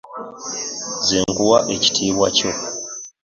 Nze nkuwa ekitiibwa kyo.